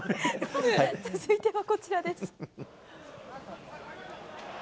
続いてはこちらです。